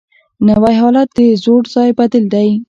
نوی حالت د زوړ ځای بدیل دی